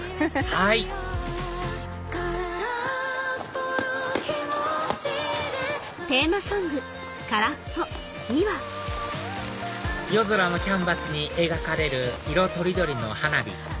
はい夜空のキャンバスに描かれる色取り取りの花火